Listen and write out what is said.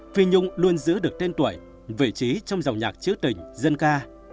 phi nhung luôn giữ được tên tuổi vị trí trong giọng nhạc chữ tình dân ca